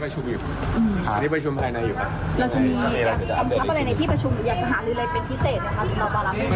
เราจะมีกำชับอะไรในที่ประชุมหรืออยากจะหาลืออะไรเป็นพิเศษไหมคะสำหรับ